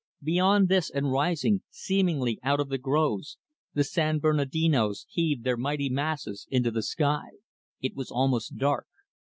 Beyond this and rising, seemingly, out of the groves the San Bernardinos heaved their mighty masses into the sky. It was almost dark.